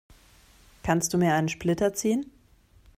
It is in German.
Kannst du mir einen Splitter ziehen?